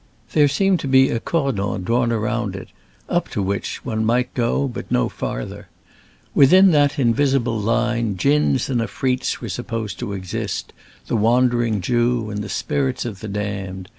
There seemed to be a cordon drawn around it, up to which one might go, but no farther. Within that invisible line jins and afifreets were supposed to exist — ^the Wandering Jew and the spirits of the damned.